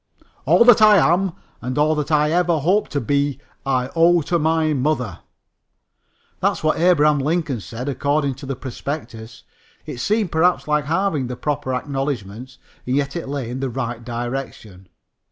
"All that I am and all that I ever hope to be I owe to my mother." That's what Abraham Lincoln said, according to the prospectus. It seemed, perhaps, like halving the proper acknowledgments, and yet it lay in the right direction.